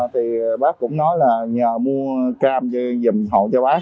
thì bác cũng nói là nhờ mua cam dình hộ cho bác